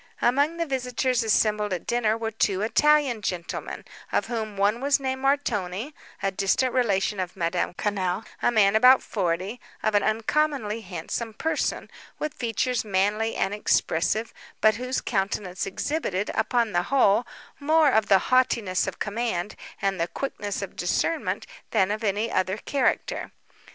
Among the visitors assembled at dinner were two Italian gentlemen, of whom one was named Montoni, a distant relation of Madame Quesnel, a man about forty, of an uncommonly handsome person, with features manly and expressive, but whose countenance exhibited, upon the whole, more of the haughtiness of command, and the quickness of discernment, than of any other character.